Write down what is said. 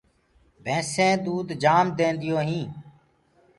ڀيسينٚ دود جآم دينديو هينٚ۔